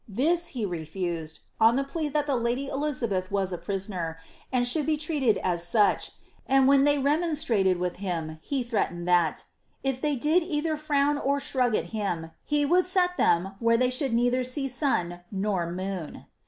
This he refused, on the plea that the lady Elizabeth was a prisoner and should be treated as such, and when they remonstrated with him, hs threatened that if they did either frown or shrug at him, he would set them where they should neither see sun nor moon.'